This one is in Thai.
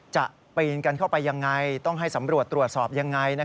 ปีนกันเข้าไปยังไงต้องให้สำรวจตรวจสอบยังไง